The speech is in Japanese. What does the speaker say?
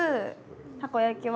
たこ焼きは？